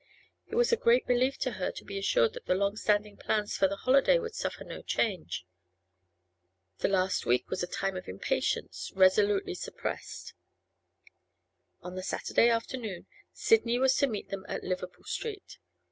It was a great relief to her to be assured that the long standing plans for the holiday would suffer no change. The last week was a time of impatience, resolutely suppressed. On the Saturday afternoon Sidney was to meet them at Liverpool Street.